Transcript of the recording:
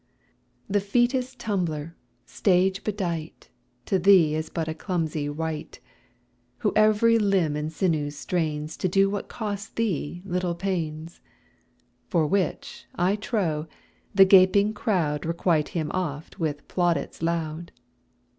The featest tumbler, stage bedight, To thee is but a clumsy wight, Who every limb and sinew strains To do what costs thee little pains; For which, I trow, the gaping crowd Requite him oft with plaudits loud.